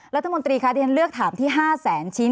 แล้วท่านมนตรีคะชั้นเลือกถามที่๕แสนชิ้น